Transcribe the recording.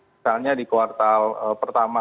misalnya di kuartal pertama